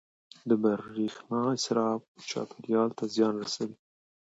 • د برېښنا اسراف چاپېریال ته زیان رسوي.